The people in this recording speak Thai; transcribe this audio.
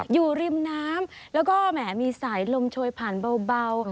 อยู่ริมน้ำแล้วก็แหมมีสายลมโชยผ่านเบา